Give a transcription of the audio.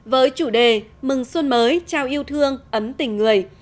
với chủ đề mừng xuân mới trao yêu thương ấm tình người